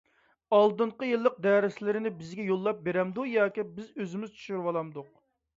ئالدىنقى يىللىقنىڭ دەرسلىرىنى بىزگە يوللاپ بېرەمدۇ ياكى بىز ئۆزىمىز چۈشۈرۈۋالامدۇق؟